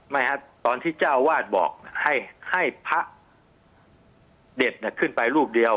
ไม่ฮะตอนที่เจ้าวาดบอกให้ให้พระเด็ดเนี้ยขึ้นไปรูปเดียว